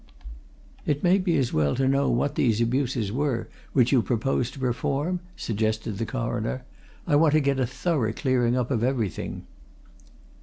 "It may be as well to know what these abuses were which you proposed to reform?" suggested the Coroner. "I want to get a thorough clearing up of everything."